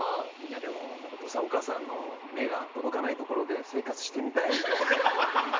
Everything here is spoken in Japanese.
でもお父さんお母さんの目が届かないところで生活してみたいみたいな。